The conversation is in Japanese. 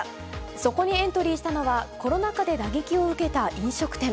そこにエントリーしたのは、コロナ禍で打撃を受けた飲食店。